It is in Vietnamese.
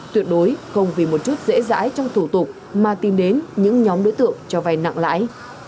tuyệt đối không vì một chút dễ dãi trong thủ tục mà tìm đến những nhóm đối tượng cho vay nặng lãi